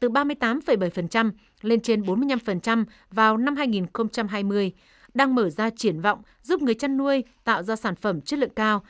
từ ba mươi tám bảy lên trên bốn mươi năm vào năm hai nghìn hai mươi đang mở ra triển vọng giúp người chăn nuôi tạo ra sản phẩm chất lượng cao